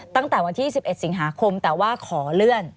ตั้งแต่วันที่๑๑สิงหาคมแต่ว่าขอเลื่อน